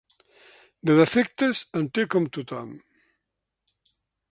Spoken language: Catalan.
De defectes, en té com tothom.